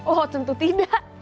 oh tentu tidak